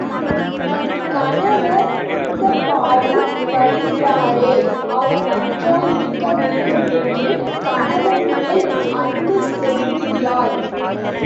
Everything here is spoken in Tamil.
நம் கணவர் இந்தப்பாடு படுகிறாரே அவர் நன்றாய் இருக்க வேண்டும் என்று கணவன்மேல் அன்பு செலுத்துகிறாள்.